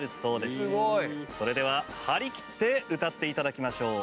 すごい！それでは張り切って歌って頂きましょう。